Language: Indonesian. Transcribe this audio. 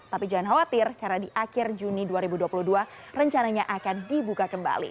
tapi jangan khawatir karena di akhir juni dua ribu dua puluh dua rencananya akan dibuka kembali